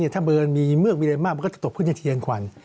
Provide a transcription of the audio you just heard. ถ้าเบิร์นมีเมือกมีอะไรมากมันก็จะตกพื้นอย่างเทียงขวัญ